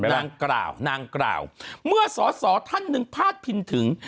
นางกล่าวนางกล่าวเมื่อสอสอท่านหนึ่งพาดพิงถึง